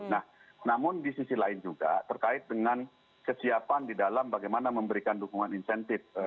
nah namun di sisi lain juga terkait dengan kesiapan di dalam bagaimana memberikan dukungan insentif